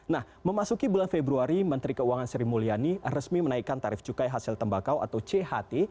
nah memasuki bulan februari menteri keuangan sri mulyani resmi menaikkan tarif cukai hasil tembakau atau cht